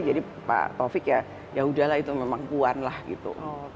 jadi pak taufik ya yaudahlah itu memang puan lah gitu